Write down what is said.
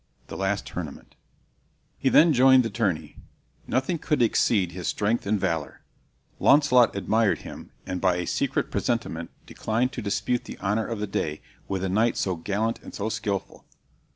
The Last Tournament. He then joined the tourney. Nothing could exceed his strength and valor. Launcelot admired him, and by a secret presentiment declined to dispute the honor of the day with a knight so gallant and so skilful.